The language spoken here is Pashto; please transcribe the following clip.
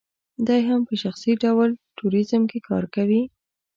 دی هم په شخصي ډول ټوریزم کې کار کوي.